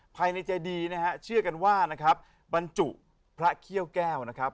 ภายในเจดีนะฮะเชื่อกันว่านะครับบรรจุพระเขี้ยวแก้วนะครับ